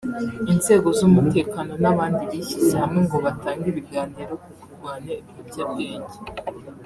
inzego z’umutekano n’abandi bishyize hamwe ngo batange ibiganiro ku kurwanya ibiyobyabwenge